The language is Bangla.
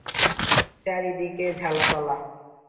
চারি দিকে ঝালাফালা।